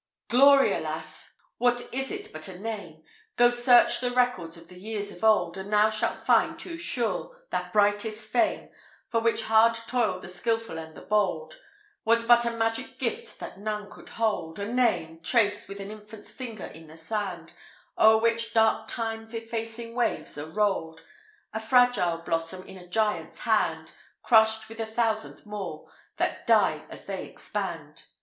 I. "Glory! alas! what is it but a name? Go search the records of the years of old, And thou shalt find, too sure, that brightest fame, For which hard toiled the skilful and the bold, Was but a magic gift that none could hold A name, traced with an infant's finger in the sand, O'er which dark Time's effacing waves are rolled A fragile blossom in a giant's hand, Crushed with a thousand more, that die as they expand.